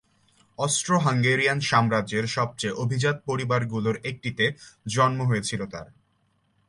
Austro-Hungarian সাম্রাজ্যের সবচেয়ে অভিজাত পরিবারগুলির একটিতে জন্ম হয়েছিল তার।